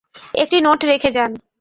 একটি নোট রেখে যান।